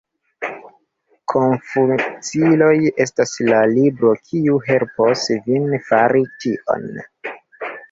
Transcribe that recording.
Konfuziloj estas la libro, kiu helpos vin fari tion.